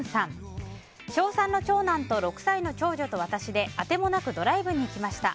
小３の長男と６歳の長女と私で当てもなくドライブに行きました。